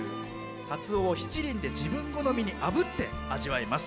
カツオを七輪で自分好みにあぶっていただきます。